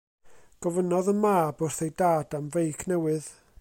Gofynnodd y mab wrth ei dad am feic newydd.